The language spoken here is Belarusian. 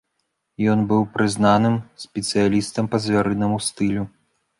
Ён быў прызнаным спецыялістам па звярынаму стылю.